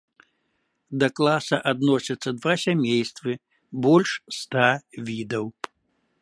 Да класа адносяцца два сямействы, больш ста відаў.